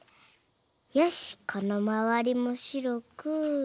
よしこのまわりもしろく。